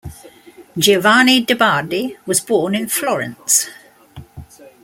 Giovanni de' Bardi was born in Florence.